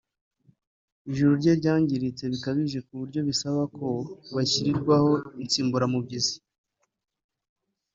ijuru rye ryangiritse bikabije ku buryo bisaba ko ashyirirwaho insimburazuru